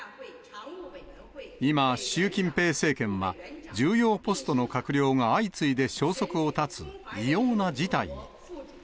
今、習近平政権は、重要ポストの閣僚が相次いで消息を絶つ異様な事態に。